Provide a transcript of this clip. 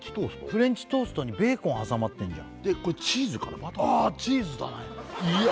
フレンチトーストにベーコン挟まってんじゃんでこれチーズかなあチーズだねいや